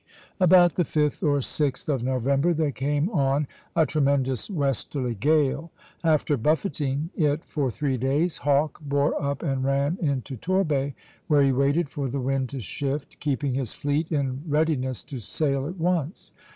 About the 5th or 6th of November there came on a tremendous westerly gale. After buffeting it for three days, Hawke bore up and ran into Torbay, where he waited for the wind to shift, keeping his fleet in readiness to sail at once.